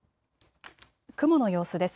雲の様子です。